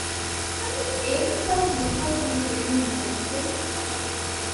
ނަމަވެސް އޭނަގެ ފަރާތުން މިކަހަލަ ކަމެއް ފެނުނު މީ އަދި ފުރަތަމަ ފަހަރު